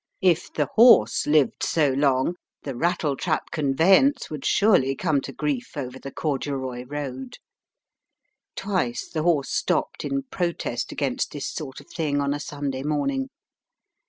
If the horse lived 80 long, the rattletrap conveyance would surely come to grief over the corduroy road. Twice the horse stopped in protest against this sort of thing on a Sunday morning.